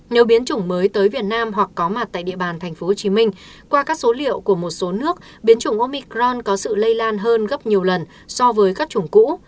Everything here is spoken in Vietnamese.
nếu biến chủng mới tới việt nam hoặc có mặt tại địa bàn tp hcm qua các số liệu của một số nước biến chủng omicron có sự lây lan hơn gấp nhiều lần so với các chủng cũ